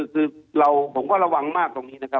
คือผมก็ระวังมากตรงนี้นะครับ